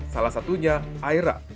salah satunya aera